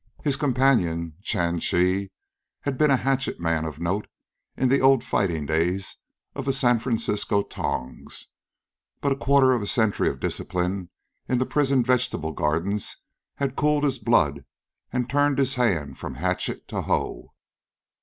His companion, Chan Chi, had been a hatchet man of note, in the old fighting days of the San Francisco tongs. But a quarter of century of discipline in the prison vegetable gardens had cooled his blood and turned his hand from hatchet to hoe.